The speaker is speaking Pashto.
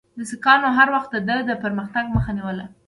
سیکهانو هر وخت د ده د پرمختګ مخه نیوله.